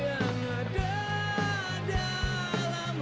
aku puasa om